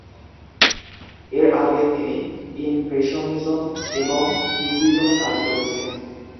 এর আগে তিনি ইমপ্রেশনিজম এবং কিউবিজমে কাজ করেছেন।